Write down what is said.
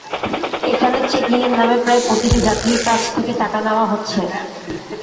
এখানে চেকিংয়ের নামে প্রায় প্রতিটি যাত্রীর কাছ থেকে টাকা নেওয়া হচ্ছে।